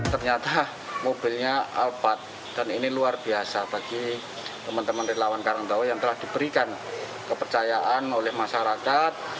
ternyata mobilnya albat dan ini luar biasa bagi teman teman relawan karangdo yang telah diberikan kepercayaan oleh masyarakat